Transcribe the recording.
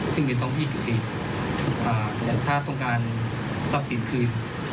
ซึ่งเป็นท้องที่อยู่ดีถ้าต้องการทรัพย์สินคืน